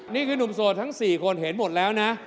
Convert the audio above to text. นี่คือนุ่มโสดทั้ง๔คนเห็นหมดแล้วนะ